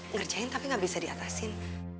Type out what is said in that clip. ngerjain tapi gak bisa diatasin